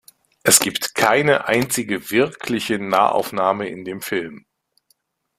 Es gibt keine einzige wirkliche Nahaufnahme in dem Film.